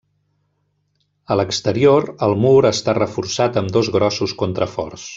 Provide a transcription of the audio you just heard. A l'exterior, el mur està reforçat amb dos grossos contraforts.